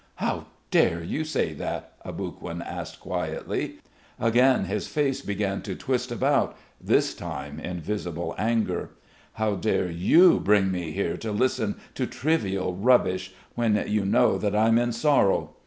"How dare you say that?" Aboguin asked quietly. Again his face began to twist about, this time in visible anger. "How dare you bring me here to listen to trivial rubbish, when you know that I'm in sorrow?"